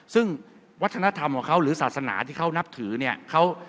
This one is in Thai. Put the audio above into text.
ซึ่งวัฒนธรรมของเขาหรือศาสนาที่เขานับถือเนี่ย